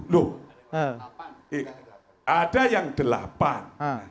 loh ada yang delapan